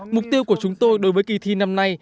mục tiêu của chúng tôi đối với kỳ thi năm nay